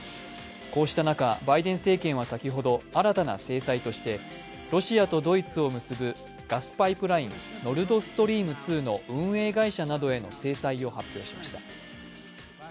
こうした中、バイデン政権は先ほど新たな制裁としてロシアとドイツを結ぶガスパイプラインノルドストリーム２の運営会社への制裁を発表しました。